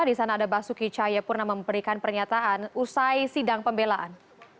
di sana ada basuki cahayapurna memberikan pernyataan usai sidang pembelaan